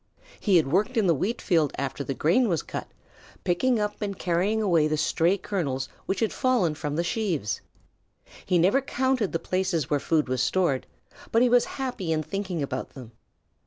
He had worked in the wheatfield after the grain was cut, picking up and carrying away the stray kernels which had fallen from the sheaves. He never counted the places where food was stored, but he was happy in thinking about them.